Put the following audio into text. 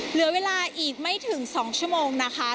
เหลือเวลาอีกไม่ถึง๒ชั่วโมงนะคะ